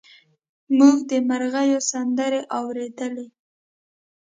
موږ د مرغیو سندرې اورېدلې.